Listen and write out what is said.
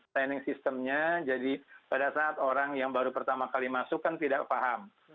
signing systemnya jadi pada saat orang yang baru pertama kali masuk kan tidak paham